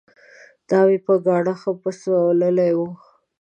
ناوې په ګاڼه ښه پسوللې وه